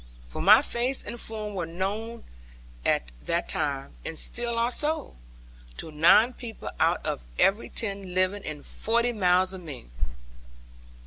For my face and form were known at that time (and still are so) to nine people out of every ten living in forty miles of me.